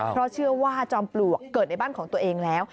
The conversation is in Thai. เพราะเชื่อว่าจอมปลวกเกิดในบ้านของตัวเองแล้ว